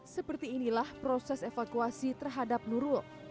seperti inilah proses evakuasi terhadap nurul